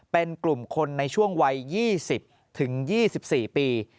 เป็นกลุ่มคนในช่วงวัย๒๐๒๔ปี